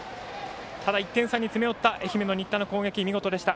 ただ１点差に詰め寄った愛媛の新田の攻撃見事でした。